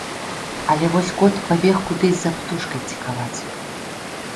Але вось кот пабег кудысь за птушкай цікаваць.